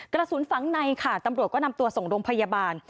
กระสุนฝังในค่ะตำรวจก็นำตัวส่งโรงพยาบาล